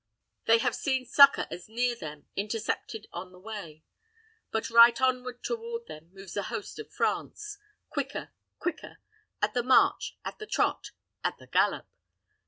They have seen succor as near them intercepted on the way. But right onward toward them moves the host of France. Quicker, quicker at the march, at the trot, at the gallop.